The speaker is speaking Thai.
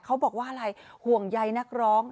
เขาบอกว่าอะไรห่วงใยนักร้อง